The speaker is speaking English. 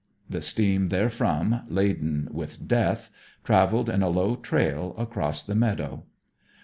The steam therefrom, laden with death, travelled in a low trail across the meadow.